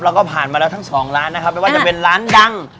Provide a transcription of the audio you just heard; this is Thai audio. แล้วก็ผ่านมาแล้วทั้งสองร้านนะครับไม่ว่าจะเป็นร้านดัง